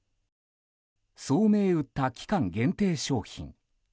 そう銘打った期間限定商品。